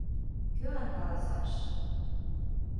Кӧлан каласаш?